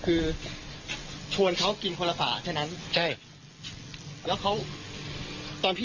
ไม่สตาร์ททีดูจากกระจกไม่สตาร์ทที